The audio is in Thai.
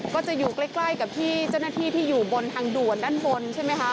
ก็จะอยู่ใกล้กับที่เจ้าหน้าที่ที่อยู่บนทางด่วนด้านบนใช่ไหมคะ